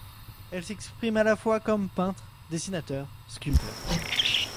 Elle s'exprime à la fois comme peintre, dessinateur, sculpteur.